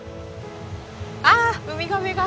あっウミガメが！